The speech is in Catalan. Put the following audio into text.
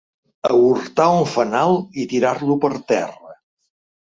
Aürtar un fanal i tirar-lo per terra.